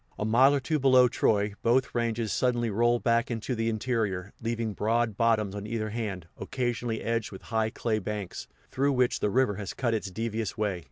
A mile or two below Troy, both ranges suddenly roll back into the interior, leaving broad bottoms on either hand, occasionally edged with high clay banks, through which the river has cut its devious way.